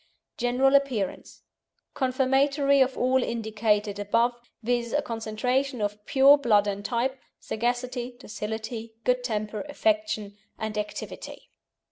GENERAL APPEARANCE Confirmatory of all indicated above, viz., a concentration of pure blood and type, sagacity, docility, good temper, affection, and activity.